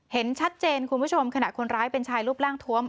เห็นชัดเจนคุณผู้ชมขณะคนร้ายเป็นชายรูปร่างทวม